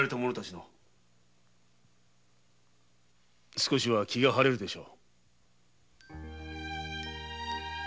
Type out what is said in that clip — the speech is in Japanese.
少しは気が晴れるでしょう。